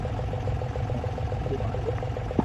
اوڻي ڪيڌو ھالو